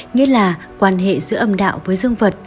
nghĩa là quan hệ giữa âm đạo với dương vật